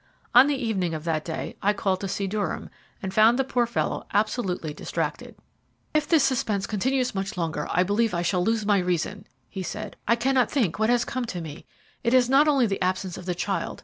On the evening of that day I called to see Durham, and found the poor fellow absolutely distracted. "If this suspense continues much longer, I believe I shall lose my reason," he said. "I cannot think what has come to me. It is not only the absence of the child.